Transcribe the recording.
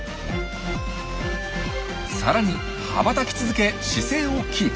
さらに羽ばたき続け姿勢をキープ。